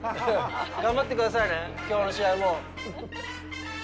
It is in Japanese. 頑張ってくださいね、きょうの試合も。